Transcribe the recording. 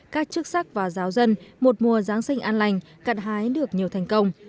các chức sắc và giáo dân một mùa giáng sinh an lành cận hái được nhiều thành công